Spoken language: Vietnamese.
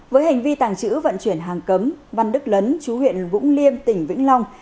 với hành vi tàng trữ vận chuyển hàng cấm văn đức lấn chú huyện vũng liêm tỉnh vĩnh long